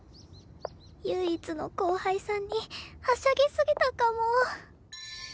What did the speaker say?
唯一の後輩さんにはしゃぎすぎたかも